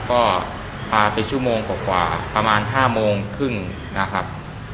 ก็พาไปชั่วโมงกว่าประมาณ๕โมงครึ่งนะครับ